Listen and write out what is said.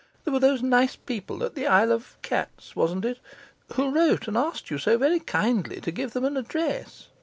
There were those nice people at the Isle of Cats (wasn't it?) who wrote and asked you so very kindly to give them an address.